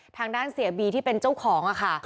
ทางด้านเสียบีที่เป็นเจ้าของค่ะ